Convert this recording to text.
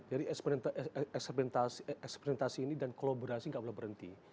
jadi eksperimentasi ini dan kolaborasi gak boleh berhenti